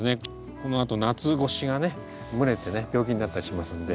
このあと夏越しがね蒸れてね病気になったりしますんで。